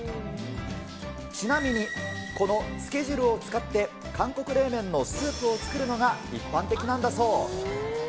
ちなみにこのつけ汁を使って、韓国冷麺のスープを作るのが一般的なんだそう。